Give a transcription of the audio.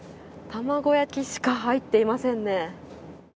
玉子焼きしか入っていませんね。